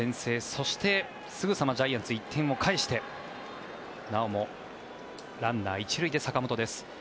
そして、すぐさまジャイアンツ１点を返してなおもランナー１塁で坂本です。